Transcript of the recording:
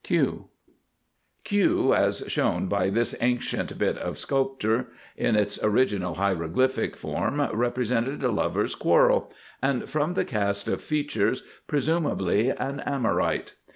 '" Q [Illustration: Q], as shown by this ancient bit of sculpture, in its original hieroglyphical form represented a lover's quarrel, and, from the cast of features, presumably an Amorite.